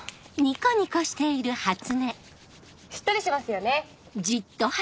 しっとりしますよね！